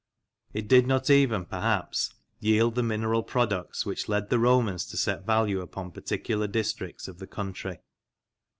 It did not even, perhaps, yield the mineral products which led the Romans to set value upon particular districts of the country.